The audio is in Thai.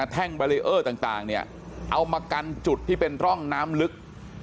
แท่งบารีเออร์ต่างเนี่ยเอามากันจุดที่เป็นร่องน้ำลึก